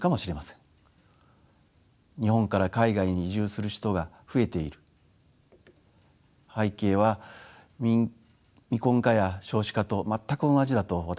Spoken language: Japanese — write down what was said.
日本から海外に移住する人が増えている背景は未婚化や少子化と全く同じだと私は考えています。